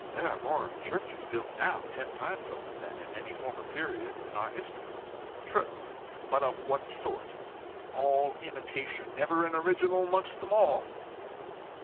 "There are more churches built now, ten times over, than in any former period of our history." "True; but of what sort? All imitation never an original amongst them all!"